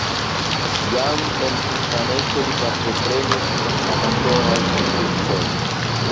Jam en infaneco li partoprenis en amatoraj konkursoj.